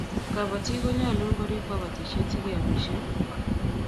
kabatik konyalun korib kabatishiet sikeamishen